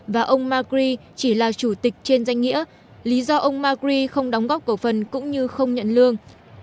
và ông macri chỉ là chủ tịch trên danh nghĩa lý do ông macri không đóng góp cổ phần cũng như không nhận lương